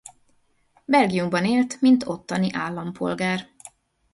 Belgiumban élt mint ottani állampolgár.